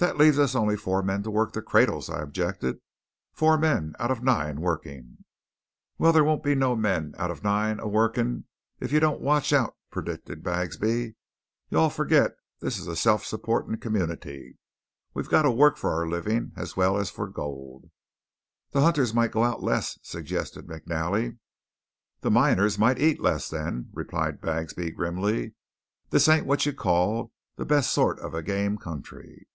"That leaves us only four men to work the cradles," I objected. "Four men out of nine working." "Well, thar won't be no men out of nine a workin' if you don't watch out," predicted Bagsby. "You all forgit this is a self supportin' community. We got to work for our living, as well as for gold." "The hunters might go out less," suggested McNally. "The miners might eat less, then," replied Bagsby grimly. "This ain't what you'd call the best sort of a game country."